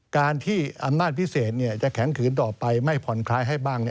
การที่อำนาจพิเศษจะแข็งขืนต่อไปไม่ผ่อนคลายให้บ้าง